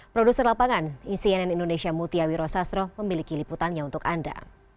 produser lapangan incnn indonesia mutiawi rosastro memiliki liputannya untuk anda